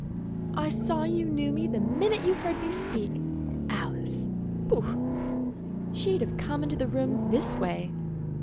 "I saw you knew me the minute you heard me speak. Alice! Pooh! She'd have come into the room this way."